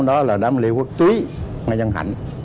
đó là đám lê quốc tùy mai văn hạnh